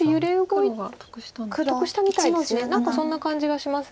何かそんな感じがします。